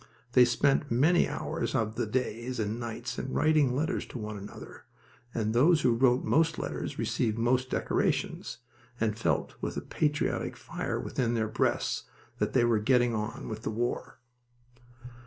They spent many hours of the days and nights in writing letters to one another, and those who wrote most letters received most decorations, and felt, with a patriotic fire within their breasts, that they were getting on with the war.